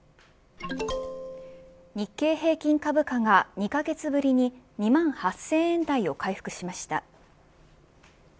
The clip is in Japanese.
日経平均株価が２カ月ぶりに２万８０００円台を回復しました。